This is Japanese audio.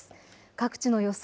各地の予想